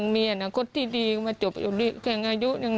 เมียน่ะโคธที่ดีโคธที่ดีมาจบอยู่ในแก่งอายุยัง